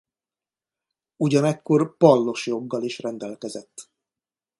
Ugyanekkor pallosjoggal is rendelkezett.